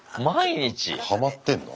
ハマってんの？